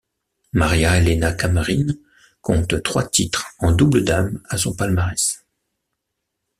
Maria Elena Camerin compte trois titres en double dames à son palmarès.